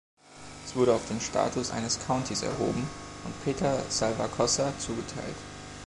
Es wurde auf den Status eines Countys erhoben und Peter Salvacossa zugeteilt.